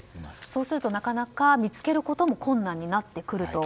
そうするとなかなか見つけることも困難になってくると。